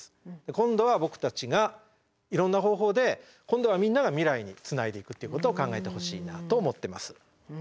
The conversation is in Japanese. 今度は僕たちがいろんな方法で今度はみんなが未来につないでいくっていうことを考えてほしいなと思ってます。